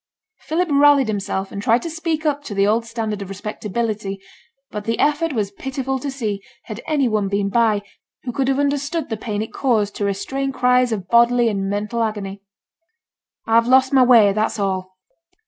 Philip rallied himself, and tried to speak up to the old standard of respectability; but the effort was pitiful to see, had any one been by, who could have understood the pain it caused to restrain cries of bodily and mental agony. 'I've lost my way, that's all.'